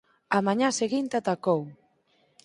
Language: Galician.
Á mañá seguinte atacou.